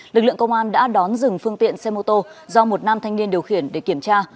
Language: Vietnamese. lực lượng công an đã đón dừng phương tiện xe mô tô do một nam thanh niên điều khiển để kiểm tra